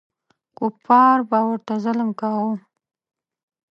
کفار به ورته ظلم کاوه.